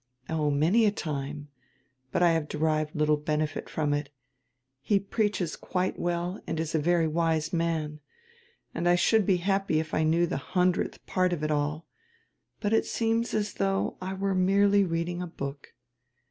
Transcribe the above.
"Oh, many a time. But I have derived little benefit from it. He preaches quite well and is a very wise man, and I should be happy if I knew the hundredth part of it all. But it seems as though I were merely reading a book.